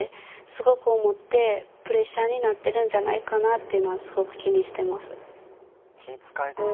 っていうのはすごく気にしてます。